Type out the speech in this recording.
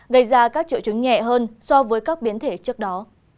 gây ra các triệu chứng nhẹ hơn so với các biến thể trước đó